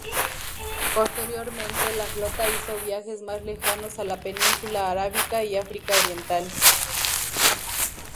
Posteriormente, la flota hizo viajes más lejanos a la Península Arábiga y África Oriental.